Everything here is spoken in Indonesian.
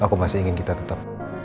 aku masih ingin kita tetap